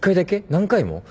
何回も？